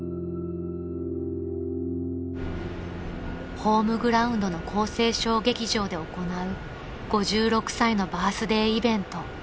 ［ホームグラウンドの晃生ショー劇場で行う５６歳のバースデーイベント］